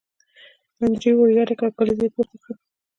انډریو ور یاد کړ او کلیزه یې پورته کړه